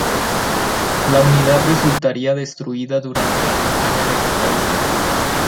La unidad resultaría destruida durante la campaña de Cataluña.